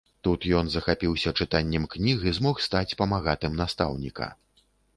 Тут ён захапіўся чытаннем кніг і змог стаць памагатым настаўніка.